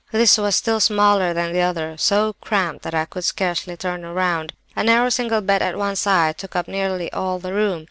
"This was still smaller than the other, so cramped that I could scarcely turn round; a narrow single bed at one side took up nearly all the room.